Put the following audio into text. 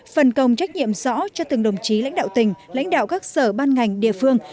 phần công trách nhiệm rõ cho từng đồng chí lãnh đạo tỉnh lãnh đạo các sở ban ngành địa phương